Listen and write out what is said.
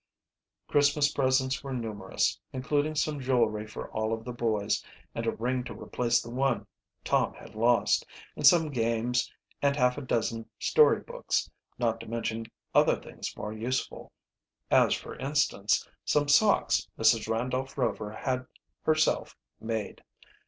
Christmas presents were numerous, including some jewelry for all of the boys and a ring to replace the one Tom had lost, and some games, and half a dozen story books, not to mention other things more useful, as, for instance, some socks Mrs. Randolph Rover had, herself, made.